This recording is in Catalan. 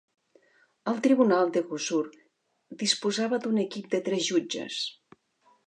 El tribunal de Huzur disposava d'un equip de tres jutges.